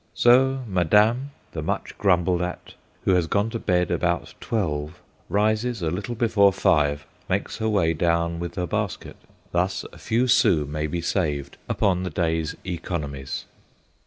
So "Madame," the much grumbled at, who has gone to bed about twelve, rises a little before five, makes her way down with her basket. Thus a few sous may be saved upon the day's economies.